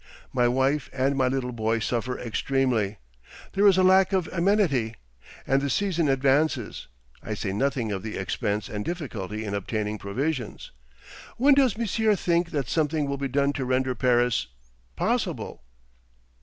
My wife and my little boy suffer extremely. There is a lack of amenity. And the season advances. I say nothing of the expense and difficulty in obtaining provisions.... When does Monsieur think that something will be done to render Paris—possible?